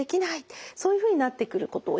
そういうふうになってくることをいいます。